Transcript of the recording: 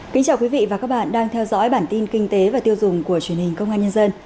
kính chào quý vị và các bạn đang theo dõi bản tin kinh tế và tiêu dùng của truyền hình công an nhân dân